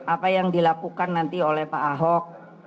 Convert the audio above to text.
apa yang dilakukan nanti oleh pak ahok